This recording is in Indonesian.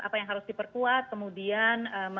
apa yang harus diperkuat kemudian